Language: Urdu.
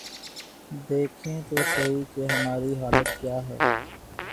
دیکھیں تو سہی کہ ہماری حالت کیا ہے۔